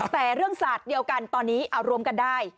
แต่เรื่องศาสตร์เดียวกันตอนนี้เอารวมกันได้